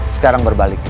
sekarang berbalik km